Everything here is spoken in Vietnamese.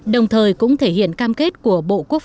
đồng thời cũng thể hiện cam kết của bộ quốc phòng